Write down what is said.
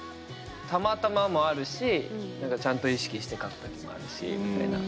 たまたまもあるしちゃんと意識して書く時もあるしみたいな。